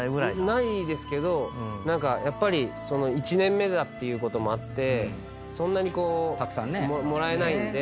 ないですけどやっぱり１年目だっていうこともあってそんなにもらえないんで。